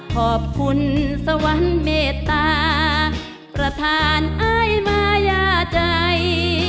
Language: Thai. ขอบคุณสวรรค์เมตตาประธานอ้ายมายาใจ